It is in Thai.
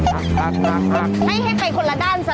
ให้ไปคนละด้านสลับฟัน